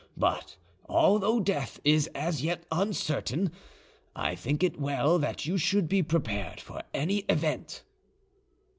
But although death is as yet uncertain, I think it well that you should be prepared for any event."